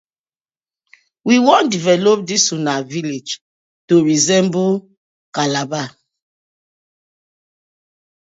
We wan develop dis una villag to resemble Calabar.